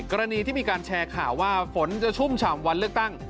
กรณีที่มีการแชร์ข่าวว่าฝนจะชุ่มฉ่ำวันเลือกตั้ง